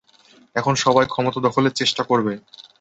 এখন সবাই ক্ষমতা দখলের চেষ্টা করবে।